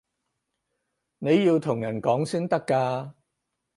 你要同人講先得㗎